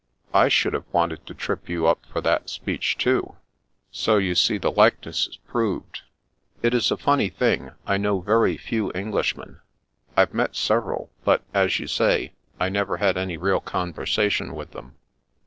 " I should have wanted to trip you up for that speech, too ; so you see the likeness is proved. It is a funny thing, I know very few Englishmen. I've met several, but, as you say, I never had any real con versation with them."